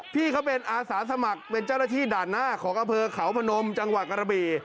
พี่เขาเป็นอาสาสมัครเป็นเจ้าหน้าที่ด่านหน้าของอำเภอเขาพนมจังหวัดกระบี่